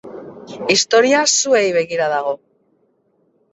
Historia zuei begira dago.